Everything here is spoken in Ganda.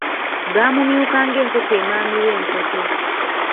Gaamumyuka ng'enkoko emaamira enkoto.